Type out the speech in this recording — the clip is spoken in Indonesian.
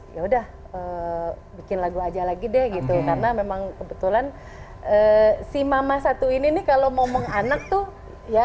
ya udah bikin lagu aja lagi deh gitu karena memang kebetulan si mama satu ini nih kalau ngomong anak tuh ya